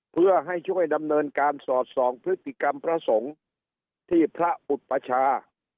เพื่อให้ช่วยดำเนินการสอดส่องพฤติกรรมพระสงฆ์ที่พระอุปชา